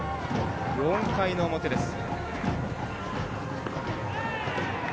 ４回の表です。